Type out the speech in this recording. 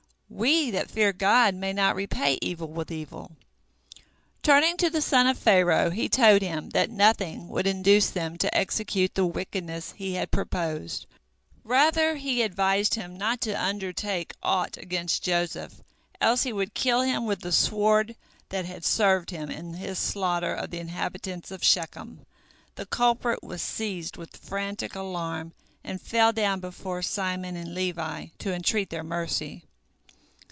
We that fear God may not repay evil with evil." Turning to the son of Pharaoh, he told him that nothing would induce them to execute the wickedness he had proposed; rather he advised him not to undertake aught against Joseph, else he would kill him with the sword that had served him in his slaughter of the inhabitants of Shechem. The culprit was seized with frantic alarm, and fell down before Simon and Levi to entreat their mercy.